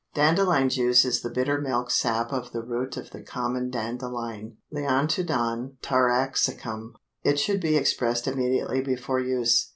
Dandelion juice is the bitter milk sap of the root of the common dandelion (Leontodon taraxacum); it should be expressed immediately before use.